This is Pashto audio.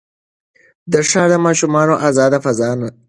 د ښار ماشومان ازاده فضا نه لري.